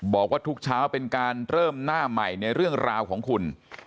บอกว่าทุกเช้าเป็นการเริ่มหน้าใหม่ในเรื่องราวของคุณ